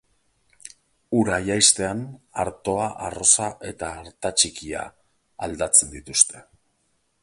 Ura jaistean artoa, arroza eta artatxikia aldatzen dituzte.